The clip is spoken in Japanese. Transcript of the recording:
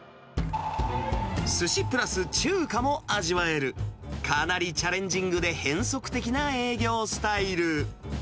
すしプラス中華も味わえる、かなりチャレンジングで変則的な営業スタイル。